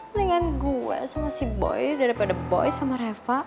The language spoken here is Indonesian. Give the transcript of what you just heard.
mendingan gue sama si boy daripada boy sama reva